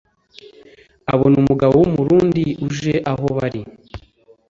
abona umugabo w’umurundi uje aho bari